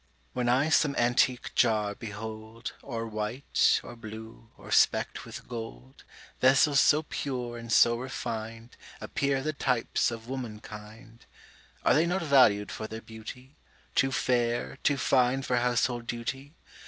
When I some antique Jar behold, Or white, or blue, or speck'd with gold, Vessels so pure and so refin'd, Appear the types of woman kind: Are they not valu'd for their beauty, Too fair, too fine for houshold duty?